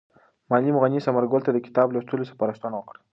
معلم غني ثمر ګل ته د کتاب لوستلو سپارښتنه وکړه.